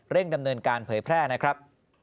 ดำเนินการเผยแพร่นะครับ